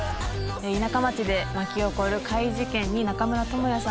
田舎町で巻き起こる怪事件に中村倫也さん